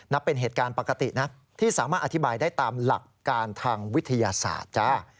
เป็นเหตุการณ์ปกตินะที่สามารถอธิบายได้ตามหลักการทางวิทยาศาสตร์จ้า